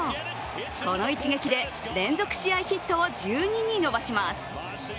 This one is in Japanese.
この一撃で連続試合ヒットを１２に伸ばします。